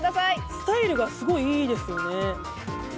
スタイルがすごいいいですよね。